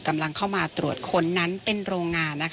กำลังเข้ามาตรวจค้นนั้นเป็นโรงงาน